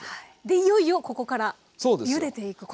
でいよいよここからゆでていく。